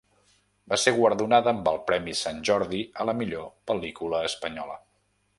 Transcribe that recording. Va ser guardonada amb el Premi Sant Jordi a la millor pel·lícula espanyola.